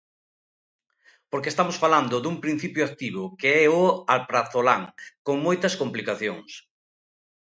Porque estamos falando dun principio activo, que é o alprazolam, con moitas complicacións.